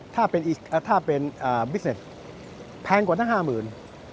ถ้าเป็นบิสเนสแพงกว่าทั้ง๕หมื่น